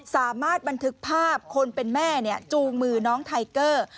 สามารถบันทึกภาพคนเป็นแม่จูงมือน้องไทเกอร์